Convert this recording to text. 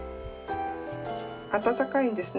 温かいんですね。